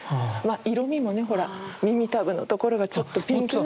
色みもねほら耳たぶのところがちょっとピンク。